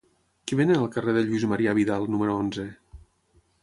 Què venen al carrer de Lluís Marià Vidal número onze?